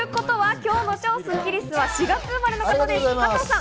今日の超スッキりすは４月生まれの方です、加藤さん。